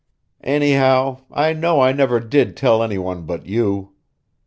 Anyhow, I know I never did tell any one but you.